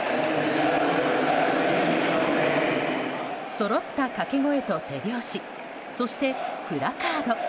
そろった掛け声と手拍子そして、プラカード。